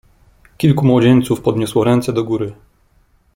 "Kilku młodzieńców podniosło ręce do góry."